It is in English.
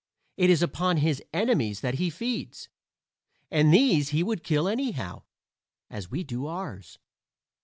It is upon his enemies that he feeds, and these he would kill anyhow, as we do ours.